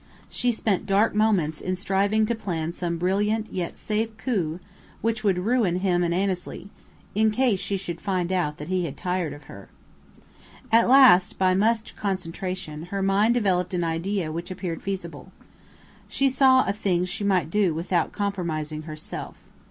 She spent dark moments in striving to plan some brilliant yet safe coup which would ruin him and Annesley, in case she should find out that he had tired of her. At last, by much concentration, her mind developed an idea which appeared feasible. She saw a thing she might do without compromising herself.